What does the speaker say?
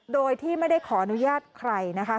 โดยที่ไม่ได้ขออนุญาตใครนะคะ